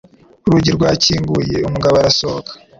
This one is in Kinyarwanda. Urugi rwakinguye umugabo arasohoka.